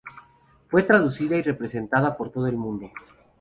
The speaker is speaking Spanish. Fue traducida y representada por todo el mundo.